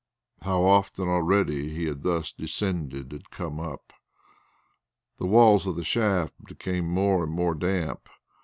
How often already he had thus descended and come up! The walls of the shaft became more and more damp.